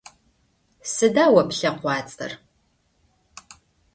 Сыда о плъэкъуацӏэр?